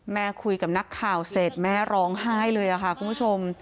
คุยกับนักข่าวเสร็จแม่ร้องไห้เลยค่ะคุณผู้ชม